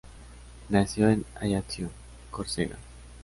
Nació en Ajaccio, Córcega.